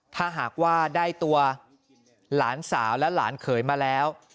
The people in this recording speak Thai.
ถ้าหากว่าได้ตัวหลานสาวและหลานเขยมาแล้ว